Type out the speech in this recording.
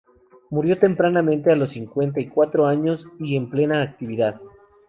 Murió tempranamente, a los cincuenta y cuatro años y en plena actividad.